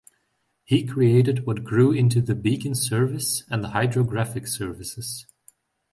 He created what grew into the beacon service and the hydrographic services.